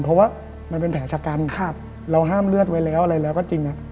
เพราะว่ามันเป็นแผลชะกันเราห้ามเลือดไว้แล้วอะไรแล้วก็จริง